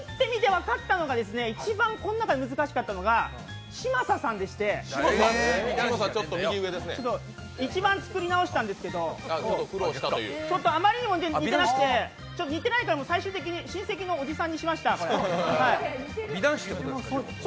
一番この中で難しかったのが嶋佐さんでして一番作り直したんですけど、あまりにも似てなくて最終的に親戚のおじさんにしました。